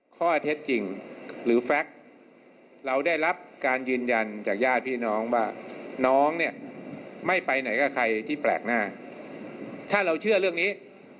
ข้อเท็จจริงหรือแฟคเราได้รับการยืนยันจากญาติพี่น้องว่าน้องเนี่ยไม่ไปไหนกับใครที่แปลกหน้าถ้าเราเชื่อเรื่องนี้